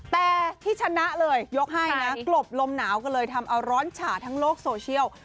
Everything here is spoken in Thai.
แต่ที่ชนะเลยยกให้นะกลบลมหนาวก็เลยทำเอาร้อนฉาทั้งโลกโซเชียล